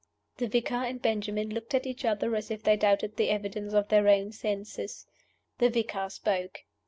The vicar and Benjamin looked at each other as if they doubted the evidence of their own senses. The vicar spoke.